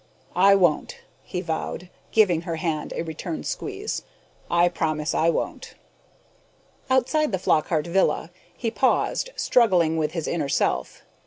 "I won't," he vowed, giving her hand a return squeeze. "I promise I won't." Outside the Flockhart villa, he paused, struggling with his inner self.